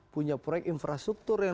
punya proyek infrastruktur yang